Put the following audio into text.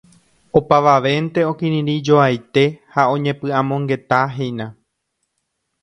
Opavavénte okirirĩjoaite ha oñepy'amongetáhína.